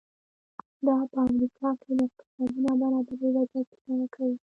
دا په امریکا کې د اقتصادي نابرابرۍ وضعیت په ډاګه کوي.